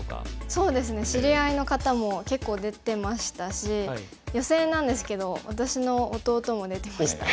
そうですね知り合いの方も結構出てましたし予選なんですけど私の弟も出てました。